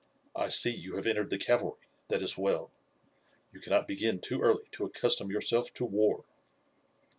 I see you have entered the cavalry. That is well. You cannot begin too early to accustom yourself to war."